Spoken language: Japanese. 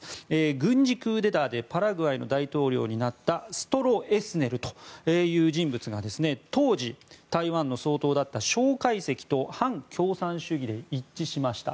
軍事クーデターでパラグアイの大統領になったストロエスネルという人物が当時、台湾の総統だった蒋介石と反共産主義で一致しました。